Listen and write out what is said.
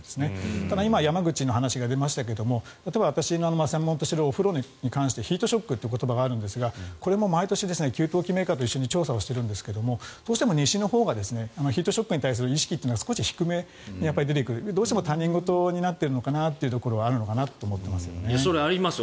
ただ今、山口の話が出ましたが例えば、私の専門としているお風呂に関してヒートショックという言葉があるんですがこれも毎年給湯機メーカーと一緒に調査をしているんですがどうしても西のほうがヒートショックに対する意識が少し低めに出てくる。どうしても他人事になっているところはあるのかなと思いますね。